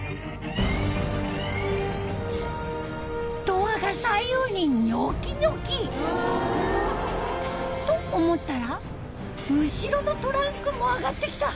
ドアが左右にニョキニョキ。と思ったら後ろのトランクも上がってきた。